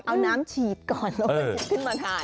เอาน้ำฉีดก่อนแล้วก็กลุ่มขึ้นมาทานเออ